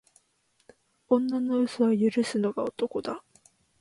女の嘘は許すのが男だ